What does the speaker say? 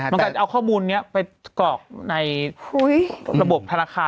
มันก็เอาข้อมูลนี้ไปกรอกในระบบธนาคาร